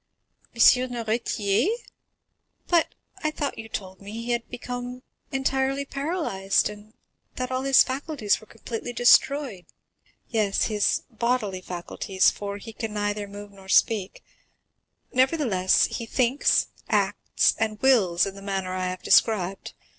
"M. Noirtier? But I thought you told me he had become entirely paralyzed, and that all his faculties were completely destroyed?" "Yes, his bodily faculties, for he can neither move nor speak, nevertheless he thinks, acts, and wills in the manner I have described.